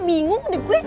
bingung deh gue